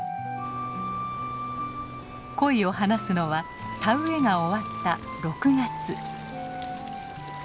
コイを放すのは田植えが終わった６月。